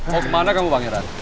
mau kemana kamu pangeran